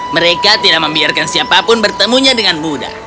mereka tidak membiarkan siapapun bertemunya dengan mudah